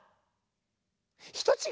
ひとちがい？